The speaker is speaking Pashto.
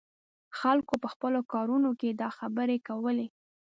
خلکو په خپلو کورونو کې دا خبرې کولې.